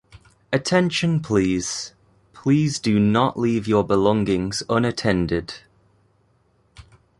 Attention please, please do not leave your belongings unattended.